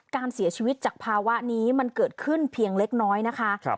การเสียชีวิตจากภาวะนี้มันเกิดขึ้นเพียงเล็กน้อยนะคะ